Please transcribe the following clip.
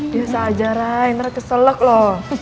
biasa aja ray ntar keselak lo